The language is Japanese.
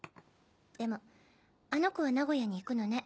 でもあの子は名古屋に行くのね。